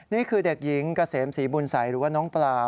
นี่คือเด็กหญิงเกษมศรีบุญสัยหรือว่าน้องปลา